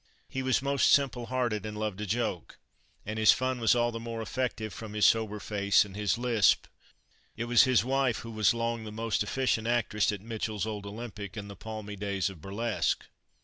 He was most simple hearted, and loved a joke; and his fun was all the more effective from his very sober face and his lisp. It was his wife who was long the most efficient actress at Mitchell's old Olympic in the palmy days of burlesque.